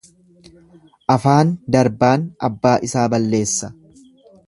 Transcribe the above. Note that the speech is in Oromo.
Afaan darbaan abbaa isaa balleessa.